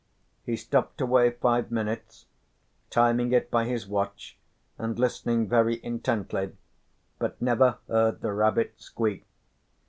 He stopped away five minutes, timing it by his watch and listening very intently, but never heard the rabbit squeak.